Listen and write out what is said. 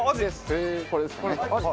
これですかね。